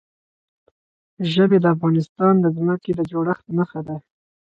ژبې د افغانستان د ځمکې د جوړښت نښه ده.